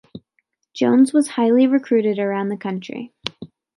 Jones was highly recruited around the country.